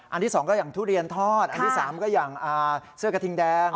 ที่๒ก็อย่างทุเรียนทอดอันที่๓ก็อย่างเสื้อกระทิงแดง